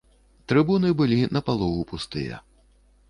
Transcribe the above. Трыбуны былі напалову пустыя.